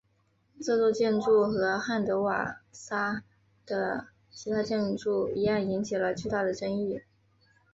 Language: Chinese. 这座建筑和汉德瓦萨的其他建筑一样引起了巨大的争议。